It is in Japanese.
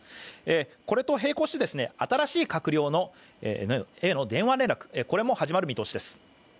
これと並行して新しい閣僚への電話連絡、これも始まる見通しです。